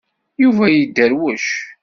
Yuba yedderwec.